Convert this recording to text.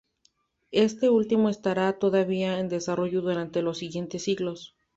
Este último estará todavía en desarrollo durante los siguientes siglos.